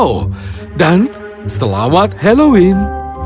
oh dan selamat halloween